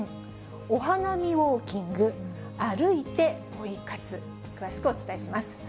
お花見ウォーキング、歩いてポイ活、詳しくお伝えします。